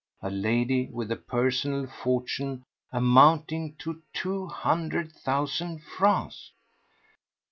—a lady with a personal fortune amounting to two hundred thousand francs?